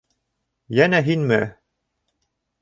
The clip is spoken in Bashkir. Йәнә һинме?